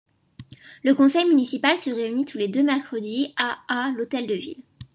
Le conseil municipal se réunit tous les deux mercredis à à l'Hôtel de ville.